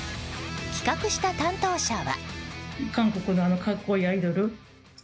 企画した担当者は。